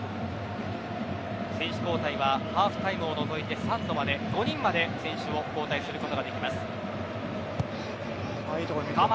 選手交代はハーフタイムを除いて３度まで５人まで選手を交代することができます。